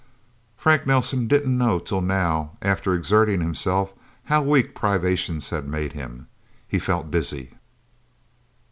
Frank Nelsen didn't know till now, after exerting himself, how weak privations had made him. He felt dizzy.